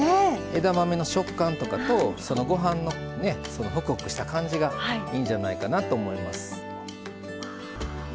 枝豆の食感とかとご飯のホクホクした感じがいいんじゃないかなと思います。